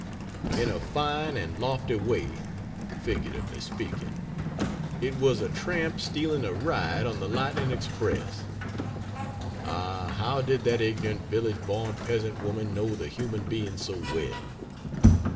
In a fine and lofty way figuratively speaking it was a tramp stealing a ride on the lightning express. Ah, how did that ignorant village born peasant woman know the human being so well?